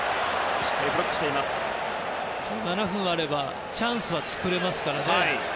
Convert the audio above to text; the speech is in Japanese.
７分あればチャンスは作れますから。